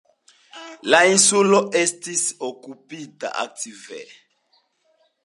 La insulo estis okupita antikve.